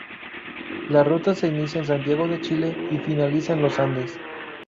La ruta se inicia en Santiago de Chile y finaliza en Los Andes.